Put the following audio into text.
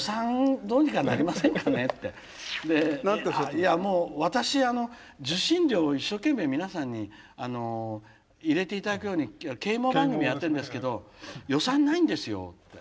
「いやもう私あの受信料を一生懸命皆さんに入れて頂くように啓蒙番組やってるんですけど予算ないんですよ」って。